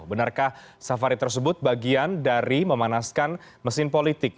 benarkah safari tersebut bagian dari memanaskan mesin politik